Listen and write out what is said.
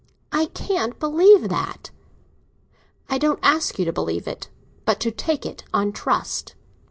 "I can't believe that!" "I don't ask you to believe it, but to take it on trust."